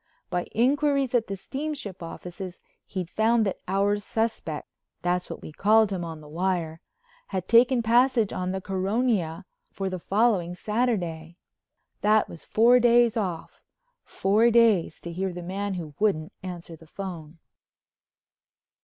By inquiries at the steamship offices he'd found that Our Suspect—that's what we called him on the wire—had taken passage on the Caronia for the following Saturday. That was four days off—four days to hear the man who wouldn't answer the phone.